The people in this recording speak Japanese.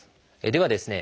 ではですね